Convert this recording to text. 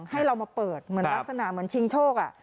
ให้เรามาเปิดเหมือนลักษณะเหมือนชิงโชค